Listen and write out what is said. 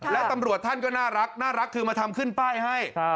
แล้วตำรวจท่านก็น่ารักน่ารักคือมาทำขึ้นป้ายให้ครับ